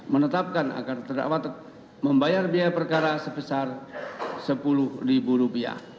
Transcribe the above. menetapkan agar terdapat membayar biaya perkara sebesar sepuluh rupiah